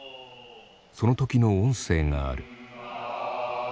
その時の音声がある。